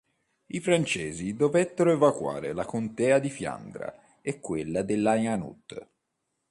I francesi dovettero evacuare la Contea di Fiandra e quella dell'Hainaut.